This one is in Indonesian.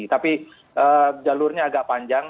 tapi jalurnya agak panjang